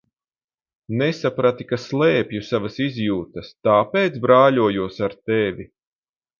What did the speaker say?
Nesaprati, ka slēpju savas izjūtas, tāpēc brāļojos ar tevi?